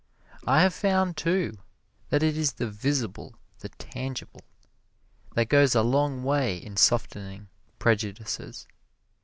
I have found, too, that it is the visible, the tangible, that goes a long way in softening prejudices.